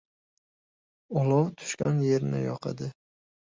• Olov tushgan yerni yoqadi.